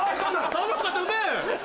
楽しかったよね？